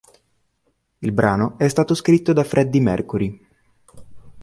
Il brano è stato scritto da Freddie Mercury.